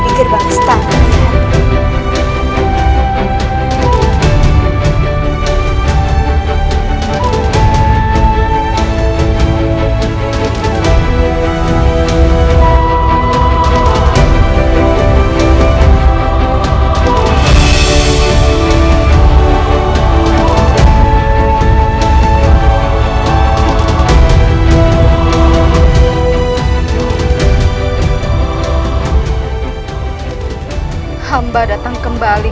ibu darat putri mani